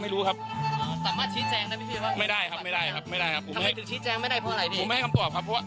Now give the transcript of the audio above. เดี๋ยวเตรียมงานแล้วจะแถลงข่าวครับ